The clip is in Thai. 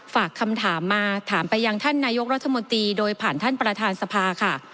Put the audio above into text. ฝากคำถามมาถามไปยังท่านนายกรัฐมนตรีโดยผ่านท่านประธานสภาค่ะ